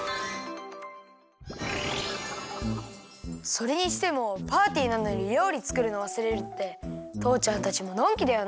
それにしてもパーティーなのにりょうりつくるのわすれるってとうちゃんたちものんきだよな。